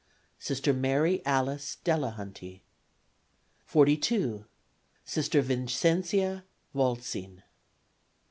Sister Mary Alice Delahunty. 42. Sister Vincentia Waltzing.